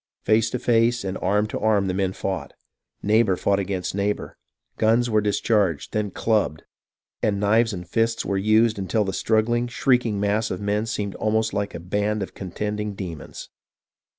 Face to face and arm to arm the men fought. Neighbour fought against neighbour. Guns were dis charged, then clubbed ; and knives and fists were used until the struggling, shrieking mass of men seemed almost like a band of contending demons.